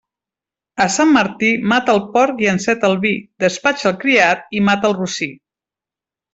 A Sant Martí, mata el porc i enceta el vi, despatxa el criat i mata el rossí.